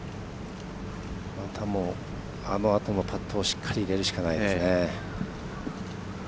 また、あのあとのパットをしっかり入れるしかないですね。